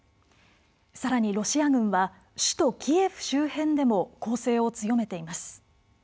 さらにロシア軍は首都キエフ周辺でも攻勢を強めています。